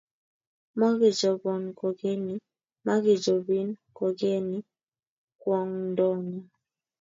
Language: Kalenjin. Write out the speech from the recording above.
Mokechobon kokeny mokechobin kokeny kwongdo nyu.